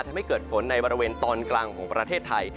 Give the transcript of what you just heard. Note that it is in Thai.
ทำให้เกิดฝนในบริเวณตอนกลางของประเทศไทย